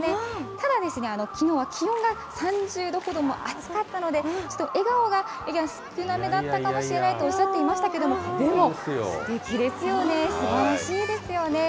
ただですね、きのうは気温が３０度ほども暑かったので、ちょっと笑顔が少なめだったのかもしれないとおっしゃっていましたけれども、でも、すてきですよね、すばらしいですよね。